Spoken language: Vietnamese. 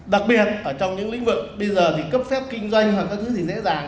đặc biệt trong những lĩnh vực bây giờ thì cấp phép kinh doanh hoặc các thứ gì dễ dàng